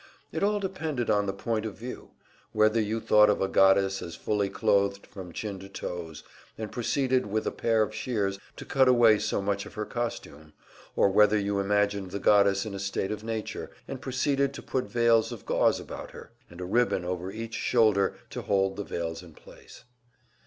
It all depended on the point of view: whether you thought of a goddess as fully clothed from chin to toes, and proceeded with a pair of shears to cut away so much of her costume, or whether you imagined the goddess in a state of nature, and proceeded to put veils of gauze about her, and a ribbon over each shoulder to hold the veils in place.